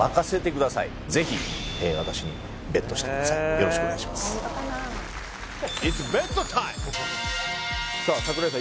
よろしくお願いしますさあ櫻井さん